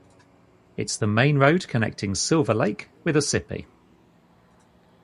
It is the main road connecting Silver Lake with Ossipee.